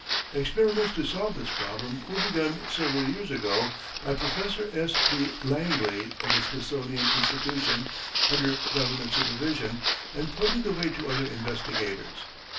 Experiments to solve this problem were begun several years ago by Professor S. P. Langley, of the Smithsonian Institution, under government supervision, and pointed the way to other investigators.